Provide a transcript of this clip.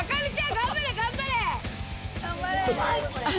頑張れ頑張れ！